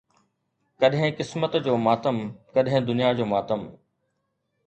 ڪڏهن قسمت جو ماتم، ڪڏهن دنيا جو ماتم